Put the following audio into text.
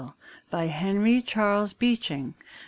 Henry Charles Beeching.